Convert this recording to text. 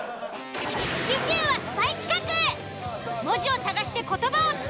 次週はスパイ企画！